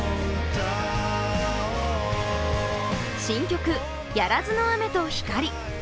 新曲「遣らずの雨と、光」。